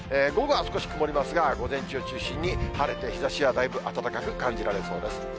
午後は少し曇りますが、午前中中心に晴れて、日ざしはだいぶ暖かく感じられそうです。